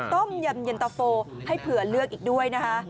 ต้มยำเย็นตะโฟให้เผื่อเลือกอีกด้วยนะคะ